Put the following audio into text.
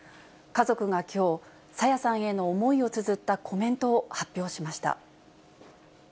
家族がきょう、朝芽さんへの思いをつづったコメントを発表しました。